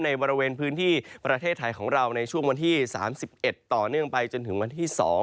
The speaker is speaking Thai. ในบริเวณพื้นที่ประเทศไทยของเราในช่วงวันที่๓๑ต่อเนื่องไปจนถึงวันที่๒